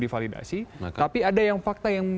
divalidasi tapi ada yang fakta yang